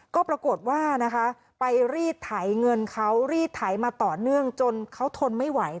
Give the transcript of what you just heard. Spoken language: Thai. ก็ปรากฏว่านะคะไปรีดไถเงินเขารีดไถมาต่อเนื่องจนเขาทนไม่ไหว